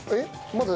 まだ。